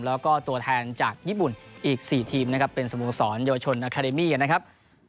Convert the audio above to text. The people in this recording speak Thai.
แล้วก็ตัวแทนจากญี่ปุ่นอีก๔ทีมนะครับเป็นสโมสรเยาวชนอาคาเดมี่นะครับ